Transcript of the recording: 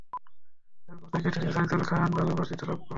এরপর থেকে তিনি যাইদুল খাইর নামে পরিচিতি লাভ করলেন।